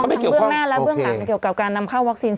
ทั้งเบื้องหน้าและเบื้องหลังเกี่ยวกับการนำเข้าวัคซีน